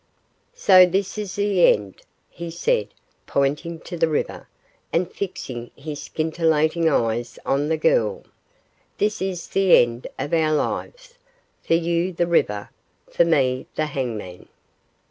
'So this is the end,' he said, pointing to the river, and fixing his scintillating eyes on the girl; 'this is the end of our lives; for you the river for me the hangman.